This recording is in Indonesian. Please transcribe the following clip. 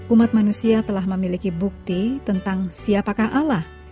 umat manusia telah memiliki bukti tentang siapakah alah